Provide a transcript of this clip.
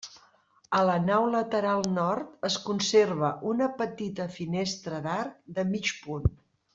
A la nau lateral nord es conserva una petita finestra d'arc de mig punt.